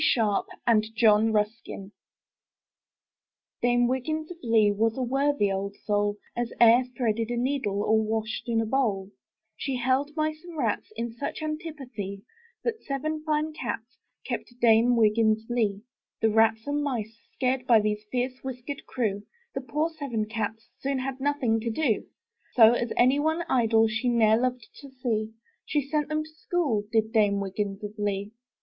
Sharpe and John Ruskin Dame Wiggins of Lee Was a worthy old soul, As e*er threaded a nee dle, or washed in a bowl; She held mice and rats In such antipathie, That seven fine cats Kept Dame Wiggins of Lee. The rats and mice scared By this fierce whiskered crew, The poor seven cats Soon had nothing to do; So, as any one idle She ne'er loved to see, She sent them to school. Did Dame Wiggins of Lee.